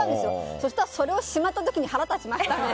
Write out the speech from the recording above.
そしたらそれをしまった時に腹が立ちましたね。